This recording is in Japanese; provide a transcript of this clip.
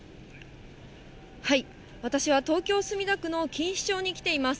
私は東京・墨田区の錦糸町に来ています。